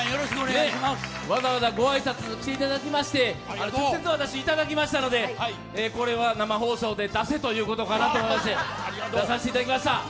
わざわざご挨拶にきていただきまして、直接いただきましたのでこれは生放送で出せということかなと思いまして出させていただきました。